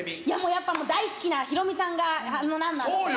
やっぱ大好きなヒロミさんがランナーだったから。